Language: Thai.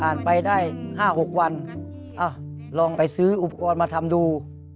ไปได้๕๖วันลองไปซื้ออุปกรณ์มาทำดู